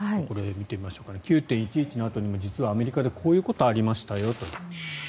９・１１のあとにも実はアメリカでこういうことがありましたよと。